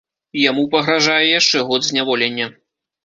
Яму пагражае яшчэ год зняволення.